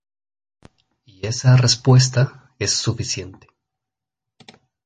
Y esa respuesta es suficiente".